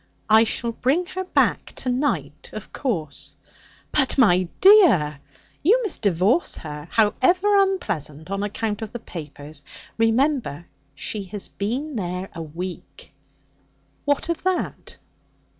'I shall bring her back to night, of course.' 'But, my dear! You must divorce her, however unpleasant on account of the papers. Remember, she has been there a week.' 'What of that?'